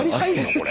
これ。